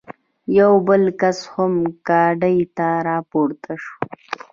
یو بل کس هم ګاډۍ ته را پورته شو.